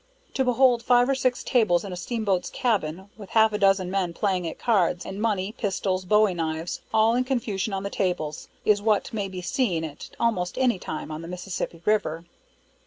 To behold five or six tables in a steamboat's cabin, with half a dozen men playing at cards, and money, pistols, bowie knives, all in confusion on the tables, is what may be seen at almost any time on the Mississippi river.